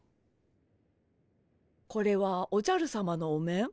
これはおじゃるさまのお面？